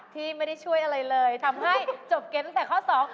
ที่ไม่ได้ช่วยอะไรเลยทำให้จบเกมตั้งแต่ข้อสอง